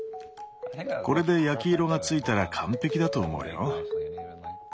これで焼き色が付いたら完璧だと思うよ。